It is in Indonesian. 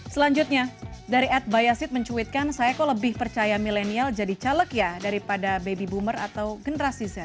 selanjutnya dari ad bayacid mencuitkan saya kok lebih percaya milenial jadi caleg ya daripada baby boomer atau generasi z